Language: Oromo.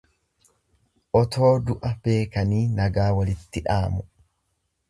Otoo du'a beekanii nagaa walitti dhaamu.